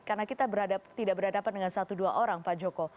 karena kita tidak berhadapan dengan satu dua orang pak joko